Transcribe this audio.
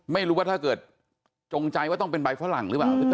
ไม่รู้ว่าถ้าเกิดจงใจว่าต้องเป็นใบฝรั่งหรือเปล่า